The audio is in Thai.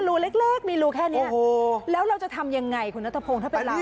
รูเล็กเล็กมีรูแค่เนี้ยโอ้โหแล้วเราจะทำยังไงคุณณตะโพงถ้าเป็นเรา